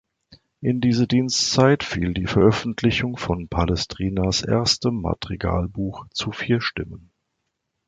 In diese Dienstzeit fiel die Veröffentlichung von Palestrinas erstem Madrigalbuch zu vier Stimmen.